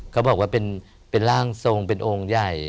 เขาบอกว่าเป็นร่างทรงเป็นองค์ใหญ่